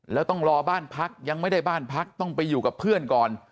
แล้วต้องรอบ้านพักยังไม่ได้บ้านพักต้องไปอยู่กับเพื่อนก่อน